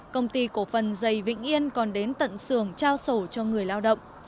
công ty cổ phần dày vĩnh yên còn đến tận xưởng trao sổ cho người lao động